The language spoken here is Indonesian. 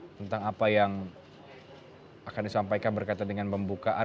tentang apa yang akan disampaikan berkaitan dengan pembukaan